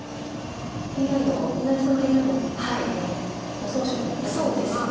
左下のＡＩの予想手にも出てますが。